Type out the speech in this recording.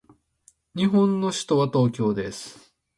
日本の首都は東京です。